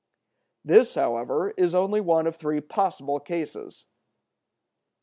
(344) This, however, is only one of three possible cases.